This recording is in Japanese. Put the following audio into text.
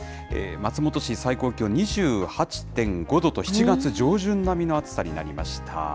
松本市、最高気温２８．５度と、７月上旬並みの暑さになりました。